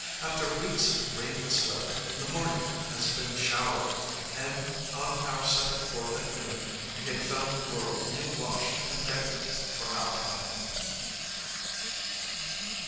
After weeks of rainless weather the morning had been showery, and on our setting forth at noon we had found the world new washed and decked for our coming.